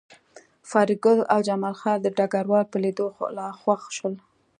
فریدګل او جمال خان د ډګروال په لیدو لا خوښ شول